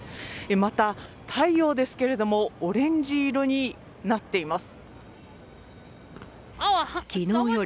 また、太陽ですけれどもオレンジ色になっています。